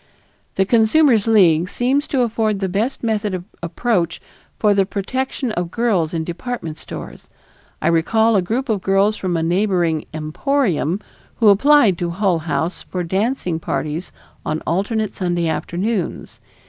The Consumers' League seems to afford the best method of approach for the protection of girls in department stores; I recall a group of girls from a neighboring "emporium" who applied to Hull House for dancing parties on alternate Sunday afternoons.